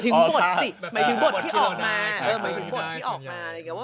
หมายถึงบทออกมา